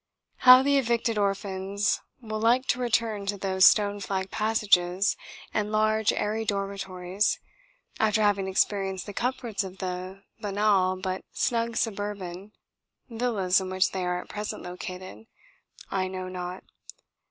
How the evicted orphans will like to return to those stone flagged passages and large airy dormitories, after having experienced the comforts of the banal but snug suburban villas in which they are at present located, I know not.